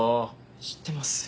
知ってます。